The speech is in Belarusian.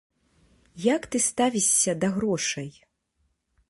Як ты ставішся да грошай?